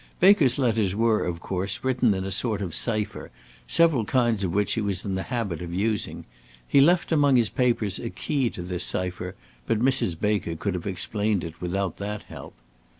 Baker's letters were, of course, written in a sort of cypher, several kinds of which he was in the habit of using. He left among his papers a key to this cypher, but Mrs. Baker could have explained it without that help.